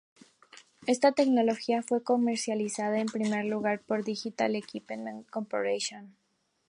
Esta tecnología fue comercializada en primer lugar por Digital Equipment Corporation.